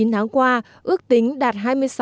chín tháng qua ước tính đạt